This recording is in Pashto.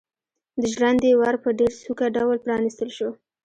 د ژرندې ور په ډېر سوکه ډول پرانيستل شو.